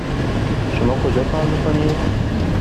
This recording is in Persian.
شما کجا کار میکنید؟